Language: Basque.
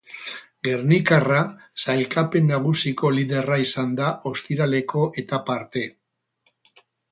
Gernikarra sailkapen nagusiko liderra izan da ostiraleko etapa arte.